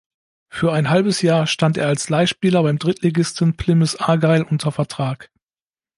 Für ein halbes Jahr stand er als Leihspieler beim Drittligisten Plymouth Argyle unter Vertrag.